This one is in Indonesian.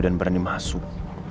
dan berani masuk